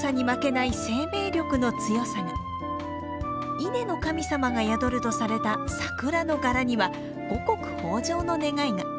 稲の神様が宿るとされた桜の柄には五穀豊穣の願いが。